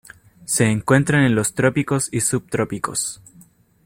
Se encuentran en los trópicos y subtrópicos.